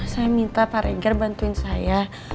saya minta pak reger bantuin saya